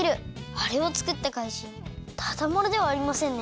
あれをつくったかいじんただものではありませんね。